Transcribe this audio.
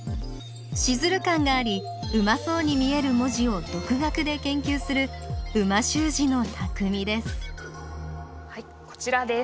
シズル感がありうまそうに見える文字を独学で研究する美味しゅう字のたくみですはいこちらです。